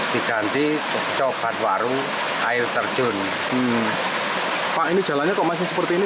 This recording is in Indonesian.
diganti coba warung air terjun pak ini jalannya kok masih seperti ini